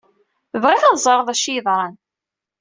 Bɣiɣ ad ẓreɣ d acu i yeḍran.